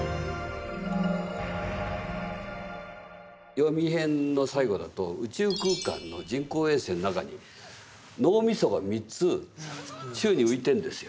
「ヨミ編」の最後だと宇宙空間の人工衛星の中に脳みそが三つ宙に浮いてるんですよ。